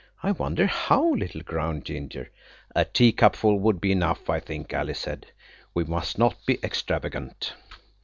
I wonder how little ground ginger." "A teacupful would be enough, I think," Alice said; "we must not be extravagant."